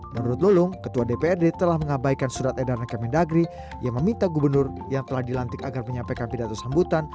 menurut lulung ketua dprd telah mengabaikan surat edaran kemendagri yang meminta gubernur yang telah dilantik agar menyampaikan pidato sambutan